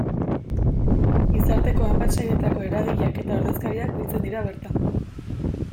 Gizarteko hainbat sailetako eragileak eta ordezkariak biltzen dira bertan.